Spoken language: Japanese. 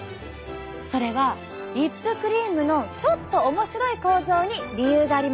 それはリップクリームのちょっと面白い構造に理由があります。